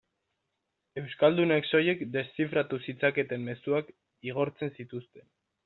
Euskaldunek soilik deszifratu zitzaketen mezuak igortzen zituzten.